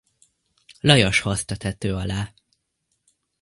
Lajos hozta tető alá.